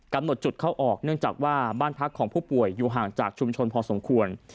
จุดเข้าออกเนื่องจากว่าบ้านพักของผู้ป่วยอยู่ห่างจากชุมชนพอสมควร